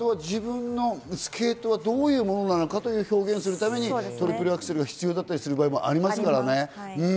自分のスケートはどういうものなのかというのを表現するためにトリプルアクセルが必要だったりする場合もありますからね。